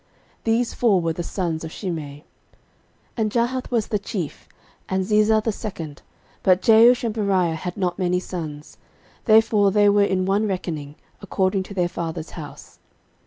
These four were the sons of Shimei. 13:023:011 And Jahath was the chief, and Zizah the second: but Jeush and Beriah had not many sons; therefore they were in one reckoning, according to their father's house.